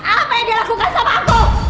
apa yang dia lakukan sama aku